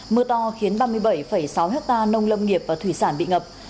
mưa to khiến ba mươi bảy sáu hectare nông lâm nghiệp và thủy sản bị ngập